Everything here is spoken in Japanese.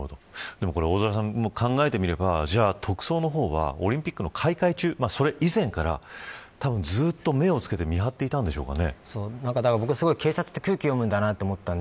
そういうところにこれを考えてみれば特捜の方はオリンピックの開会中、それ以前からずっと目をつけて見張っていたんでしょうか。